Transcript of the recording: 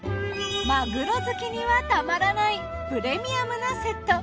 マグロ好きにはたまらないプレミアムなセット。